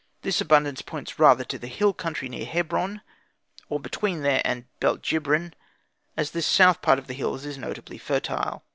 This abundance points rather to the hill country near Hebron or between there and Belt Jibrin, as this south part of the hills is notably fertile.